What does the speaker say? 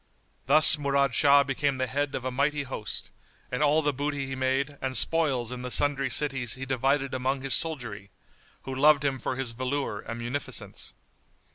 Thus Murad Shah became the head of a mighty host, and all the booty he made and spoils in the sundry cities he divided among his soldiery, who loved him for his valour and munificence.